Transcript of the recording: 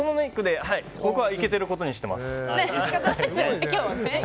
僕はいけてることにしてます。